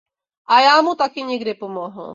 A já mu taky někdy pomohl.